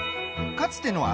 かつての朝